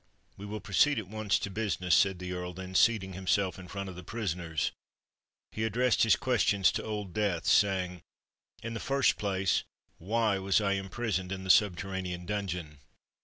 "We will proceed at once to business," said the Earl: then seating himself in front of the prisoners, he addressed his questions to Old Death, saying, "In the first place, why was I imprisoned in the subterranean dungeon?"